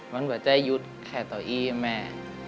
มันแบบจะยุดแค่ต่ออีกแม่